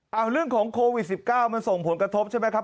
เอาเรื่องของโควิด๑๙มันส่งผลกระทบใช่ไหมครับ